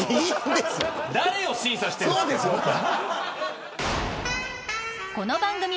誰を審査しているんですか。